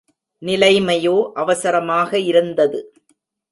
நிலைமையோ அவசரமாக இருந்தது.